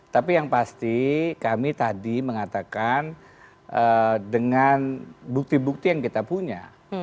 tapi yang pasti kami tadi mengatakan dengan bukti bukti yang kita punya